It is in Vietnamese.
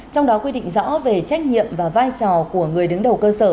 trong đó quy định rõ về trách nhiệm và vai trò của người đứng đầu cơ sở